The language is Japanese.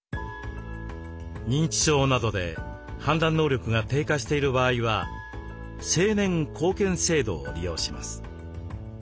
認知症などで判断能力が低下している場合は「成年後見制度」を利用します。